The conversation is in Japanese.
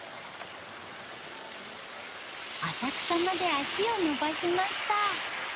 浅草まで足をのばしました。